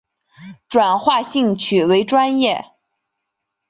转化兴趣为专业